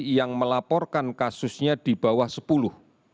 yang melaporkan kasusnya di bawah sepuluh